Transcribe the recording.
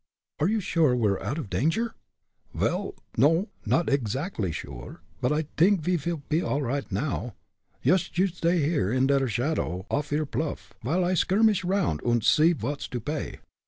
"Are you sure we are out of danger?" "Vel, no, not eggsactly sure, but I t'ink ve pe all righd now. Yoost you sday here in der shadow off yer pluff, vile I skirmish aroundt und see vot's to pay."